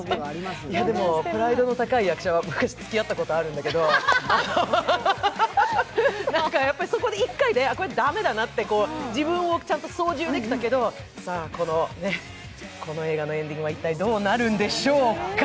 プライドの高い役者と昔、つきあったことがあるんだけど、そこに１回、これ駄目だなって自分を操縦できたけど、さあ、この映画のエンディングは一体どうなるんでしょうか。